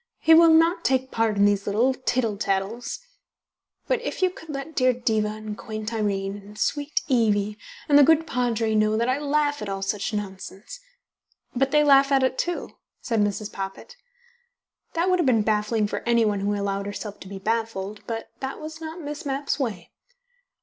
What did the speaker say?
He will not take part in these little tittle tattles. But if you could let dear Diva and quaint Irene and sweet Evie and the good Padre know that I laugh at all such nonsense " "But they laugh at it, too," said Mrs. Poppit. That would have been baffling for anyone who allowed herself to be baffled, but that was not Miss Mapp's way.